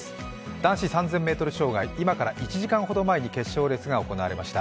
男子３０００ｍ障害、今から１時間ほど前に決勝レースが行われました。